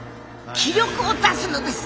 気力を出すのです！